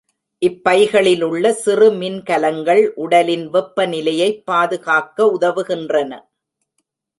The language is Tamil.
இப்பைகளிலுள்ள சிறு மின்கலங்கள் உடலின் வெப்பநிலையைப் பாதுகாக்க உதவுகின்றன.